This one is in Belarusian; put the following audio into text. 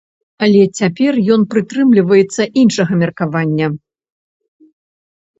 Але цяпер ён прытрымліваецца іншага меркавання.